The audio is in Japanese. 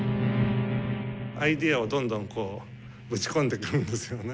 アイデアをどんどんこうぶち込んでくるんですよね。